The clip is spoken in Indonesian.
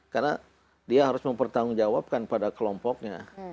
karena dia harus mempertanggungjawabkan pada kelompoknya